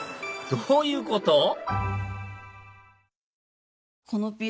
どういうこと？